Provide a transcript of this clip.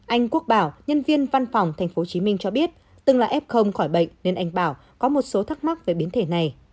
anh quốc bảo nhân viên văn phòng tp hcm cho biết từng là f khỏi bệnh nên anh bảo có một số thắc mắc về biến thể này